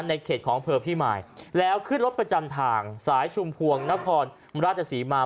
ในเขตของอำเภอพี่มายแล้วขึ้นรถประจำทางสายชุมพวงนครราชศรีมา